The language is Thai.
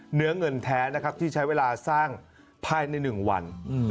เหนือเงินแท้ที่ใช้เวลาสร้างภายในหนึ่งวัน